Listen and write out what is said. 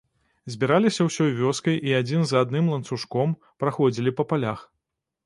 Збіраліся ўсёй вёскай і адзін за адным ланцужком, праходзілі па палях.